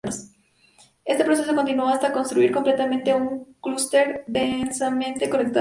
Este proceso continúa hasta construir completamente un clúster densamente conectado.